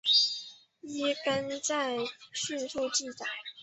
依刊载顺序记载。